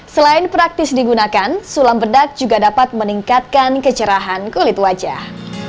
selain praktis digunakan sulam bedak juga dapat meningkatkan kecerahan kulit wajah